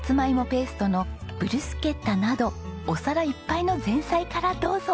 ペーストのブルスケッタなどお皿いっぱいの前菜からどうぞ！